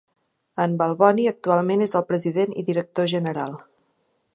En Balboni actualment és el President i Director General.